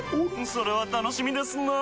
それは楽しみですなぁ。